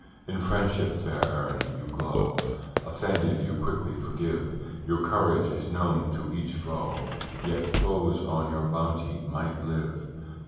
In friendship, fair Erin, you glow; Offended, you quickly forgive; Your courage is known to each foe, Yet foes on your bounty might live.